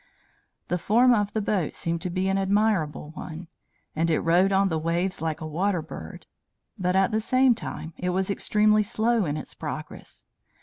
The form of the boat seemed to be an admirable one, and it rode on the waves like a water bird; but, at the same time, it was extremely slow in its progress.